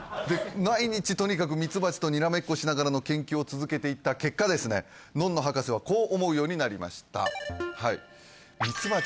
毎日とにかくミツバチとにらめっこしながらの研究を続けていった結果ですねのんの博士はこう思うようになりました